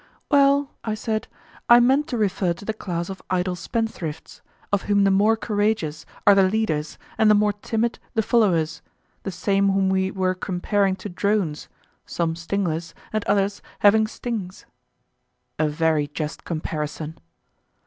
Well, I said, I meant to refer to the class of idle spendthrifts, of whom the more courageous are the leaders and the more timid the followers, the same whom we were comparing to drones, some stingless, and others having stings. A very just comparison.